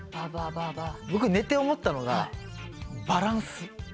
僕寝て思ったのがバランス？